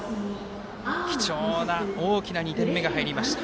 貴重な２点目が入りました。